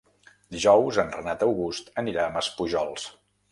Dijous en Renat August anirà a Maspujols.